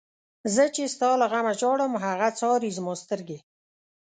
زه چی ستا له غمه ژاړم، هغه څاری زما سترگی